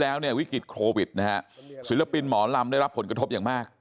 จุดเปลี่ยนคือเมื่อ๒ปีที่แล้ววิกฤตโควิดศิลปินหมอนลำได้รับผลกระทบอย่างมาก